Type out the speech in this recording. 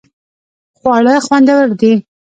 خواړه خوندور دې